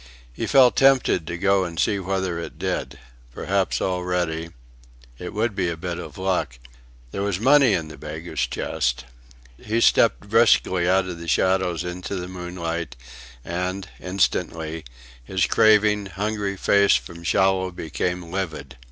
He felt tempted to go and see whether it did. Perhaps already.. It would be a bit of luck. There was money in the beggar's chest. He stepped briskly out of the shadows into the moonlight, and, instantly, his craving, hungry face from sallow became livid.